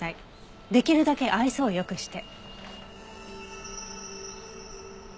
できるだけ愛想を良くして。